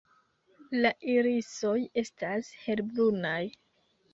La irisoj estas helbrunaj.